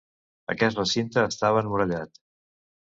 Aquest recinte estava emmurallat.